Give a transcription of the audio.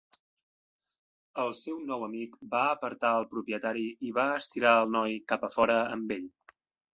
El seu nou amic va apartar el propietari i va estirar el noi cap a fora amb ell.